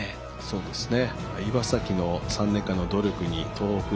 そうですね。